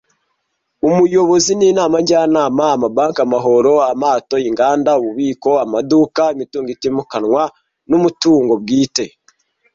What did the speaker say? Umuyobozi ninama njyanama, amabanki, amahoro, amato, inganda, ububiko, amaduka, imitungo itimukanwa nu mutungo bwite.